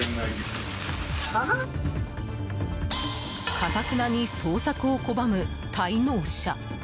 かたくなに捜索を拒む滞納者。